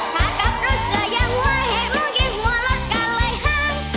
ถ้ากับรู้สึกยังว่าแห่งมือแคงหัวลดกันเลยห้าง